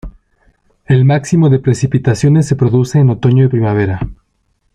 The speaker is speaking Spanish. El máximo de precipitaciones se produce en otoño y primavera.